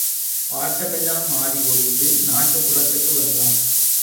ஆட்டம் எல்லாம் ஆடி ஓய்ந்து நாட்டுப் புறத்துக்கு வந்தான்.